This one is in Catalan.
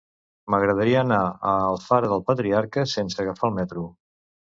M'agradaria anar a Alfara del Patriarca sense agafar el metro.